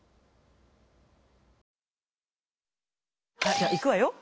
じゃいくわよ。